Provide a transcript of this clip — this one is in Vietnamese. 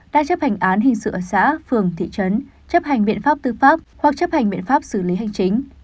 đã chấp hành án hình sự ở xã phường thị trấn chấp hành biện pháp tư pháp hoặc chấp hành biện pháp xử lý hành chính